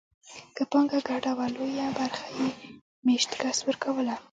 که پانګه ګډه وه لویه برخه یې مېشت کس ورکوله